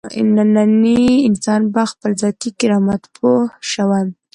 نننی انسان په خپل ذاتي کرامت پوه شوی.